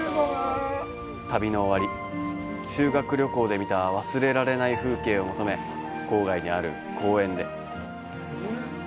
旅の終わり修学旅行で見た、忘れられない風景を求め郊外にある公園へ。